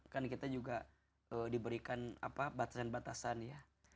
kan kita juga diberikan batasan batasan ya